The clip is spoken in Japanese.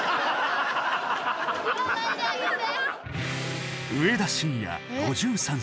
言わないであげて。